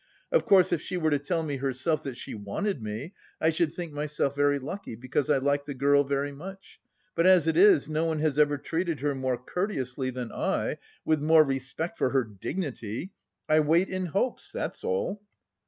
Of course if she were to tell me herself that she wanted me, I should think myself very lucky, because I like the girl very much; but as it is, no one has ever treated her more courteously than I, with more respect for her dignity... I wait in hopes, that's all!"